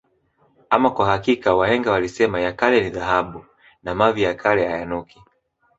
Ama kwa hakika wahenga walisema ya kale ni dhahabu na mavi ya kale ayanuki